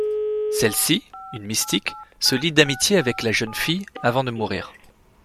Celle-ci, une mystique, se lie d’amitié avec la jeune fille avant de mourir.